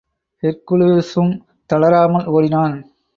ஹெர்க்குலிஸும் தளராமல் ஓடினான்.